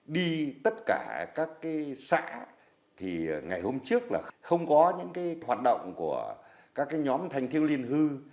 đi tất cả các xã thì ngày hôm trước là không có những hoạt động của các nhóm thanh thiếu liên hư